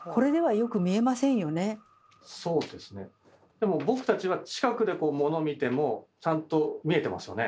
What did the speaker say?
でも僕たちは近くでモノを見てもちゃんと見えてますよね？